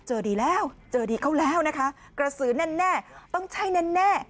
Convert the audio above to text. ดีแล้วเจอดีเขาแล้วนะคะกระสือแน่ต้องใช่แน่